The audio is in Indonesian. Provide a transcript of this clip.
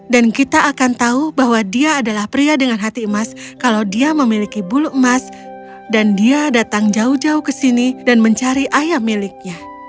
dan kita akan tahu bahwa dia adalah pria dengan hati emas kalau dia memiliki bulu emas dan dia datang jauh jauh ke sini dan mencari ayam miliknya